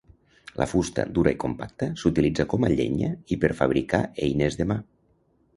La fusta, dura i compacta, s'utilitza com a llenya i per fabricar eines de mà.